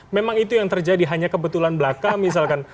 memang itu yang terjadi hanya kebetulan belaka misalkan